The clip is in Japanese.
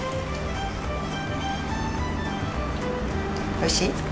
おいしい？